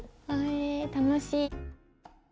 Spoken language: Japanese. え楽しい！